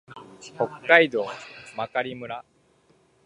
北海道真狩村